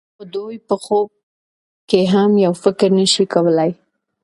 خو دوی په خوب کې هم یو فکر نشي کولای.